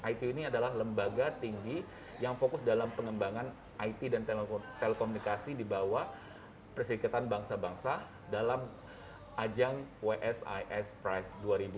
it ini adalah lembaga tinggi yang fokus dalam pengembangan it dan telekomunikasi di bawah persiketan bangsa bangsa dalam ajang wsis price dua ribu dua puluh